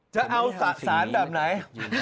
จะเอาสะสานแบบไหน